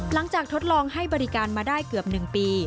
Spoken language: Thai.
หลังจากทดลองให้บริการมาได้เกือบ๑ปี